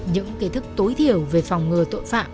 những kiến thức tối thiểu về phòng ngừa tội phạm